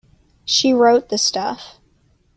She wrote the stuff.